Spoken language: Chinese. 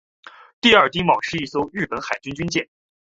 第二丁卯是一艘日本海军军舰。